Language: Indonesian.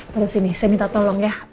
terus ini saya minta tolong ya